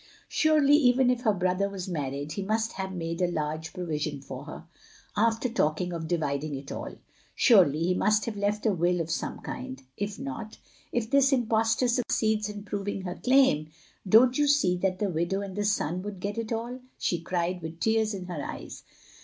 " Surely even if her brother was married he must have made a large provision for her, after talking of dividing it all. Surely he must have left a will of some kind. If not, — ^if this impostor succeeds in proving her claim, don't you see that the widow and the son would get it all? " she cried with tears in her eyes.